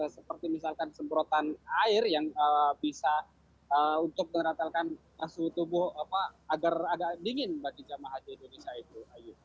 seperti misalkan semprotan air yang bisa untuk meneratelkan suhu tubuh agar agak dingin bagi jemaah haji indonesia itu